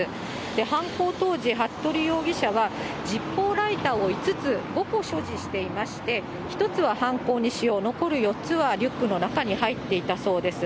犯行当時、服部容疑者は、ジッポーライターを５つ、５個所持していまして、１つは犯行に使用、残る４つはリュックの中に入っていたそうです。